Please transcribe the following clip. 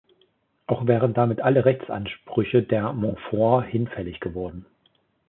Auch wären damit alle Rechtsansprüche der Montfort hinfällig geworden.